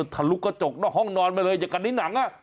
ทะลุกระจกนอกห้องนอนไปเลยอย่ากระนินหนัง